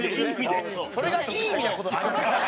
それがいい意味な事ってありますか？